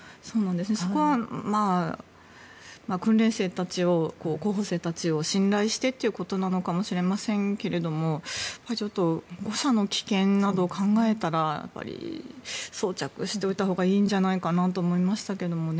そこは候補生たちを信頼してということなのかもしれませんがちょっと誤射の危険などを考えたら装着しておいたほうがいいんじゃないかなと思いましたけどもね。